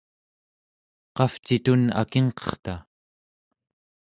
qavcitun akingqerta?